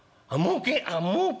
「あもうけ？